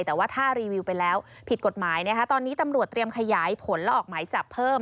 แต่ว่าถ้ารีวิวไปแล้วผิดกฎหมายนะคะตอนนี้ตำรวจเตรียมขยายผลและออกหมายจับเพิ่ม